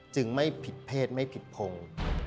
จึงไม่ผิดเพศไม่ผิดพงค์